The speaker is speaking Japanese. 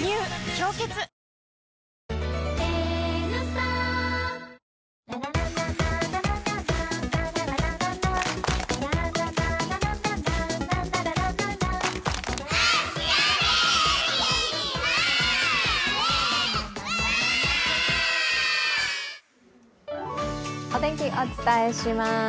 「氷結」お天気、お伝えします。